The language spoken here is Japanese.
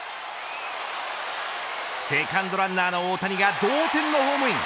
セカンドランナーの大谷が同点のホームイン。